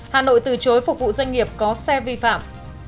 hà nội từ chối phục vụ doanh nghiệp có xe vi phạm